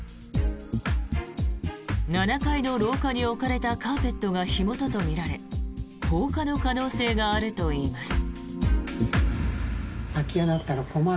７階の廊下に置かれたカーペットが火元とみられ放火の可能性があるといいます。